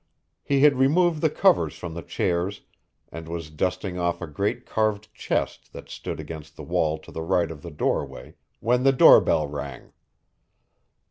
He had removed the covers from the chairs and was dusting off a great carved chest that stood against the wall to the right of the doorway when the door bell rang.